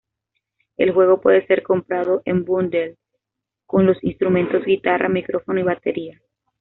El juego puede ser comprado en bundle con los instrumentos guitarra, micrófono y batería.